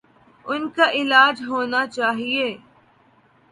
ان کا علاج ہونا چاہیے۔